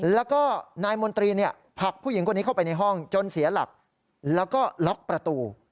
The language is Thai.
แล้วก็นายมนตรีผลักผู้หญิงคนนี้เข้าไปในห้องจนเสียหลักแล้วก็ล็อกประตู